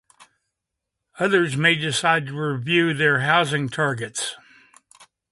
Others may decide to review their housing targets.